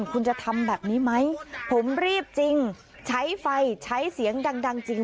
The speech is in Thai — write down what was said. คุณจะทำแบบนี้ไหมผมรีบจริงใช้ไฟใช้เสียงดังจริง